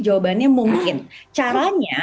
jawabannya mungkin caranya